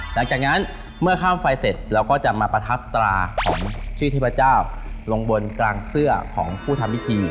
หลังจากนั้นเมื่อข้ามไฟเสร็จเราก็จะมาประทับตราของชื่อเทพเจ้าลงบนกลางเสื้อของผู้ทำพิธี